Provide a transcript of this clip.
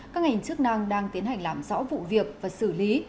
các ngành chức năng đang tiến hành làm rõ vụ việc và xử lý